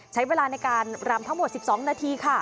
ใช้เวลาในการรำทั้งหมด๑๒นาทีค่ะ